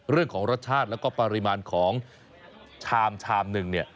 เรื่องของรสชาติแล้วก็ปริมาณของชามชามหนึ่งเนี่ย